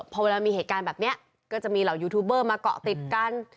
พอเวลามีเหตุการณ์แบบนี้ก็จะมีเหล่ายูทูบเบอร์มาเกาะติดกัน